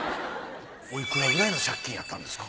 おいくらくらいの借金やったんですか？